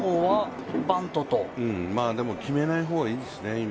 でも、今は決めない方がいいですね。